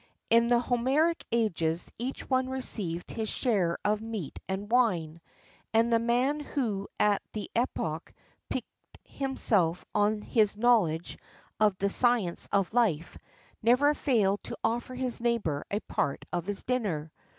In the Homeric ages each one received his share of meat and wine,[XXXIV 3] and the man who at that epoch piqued himself on his knowledge of the science of life, never failed to offer his neighbour a part of his dinner.